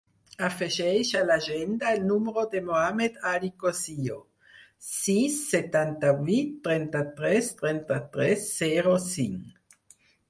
Afegeix a l'agenda el número del Mohamed ali Cosio: sis, setanta-vuit, trenta-tres, trenta-tres, zero, cinc.